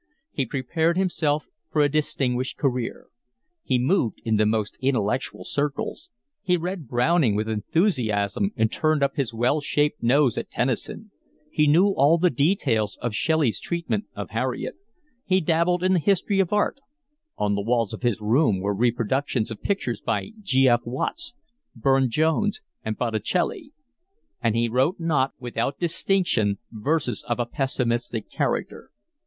He prepared himself for a distinguished career. He moved in the most intellectual circles: he read Browning with enthusiasm and turned up his well shaped nose at Tennyson; he knew all the details of Shelley's treatment of Harriet; he dabbled in the history of art (on the walls of his rooms were reproductions of pictures by G. F. Watts, Burne Jones, and Botticelli); and he wrote not without distinction verses of a pessimistic character.